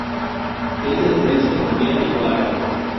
Es de ascendencia colombiana y polaca.